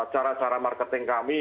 cara cara marketing kami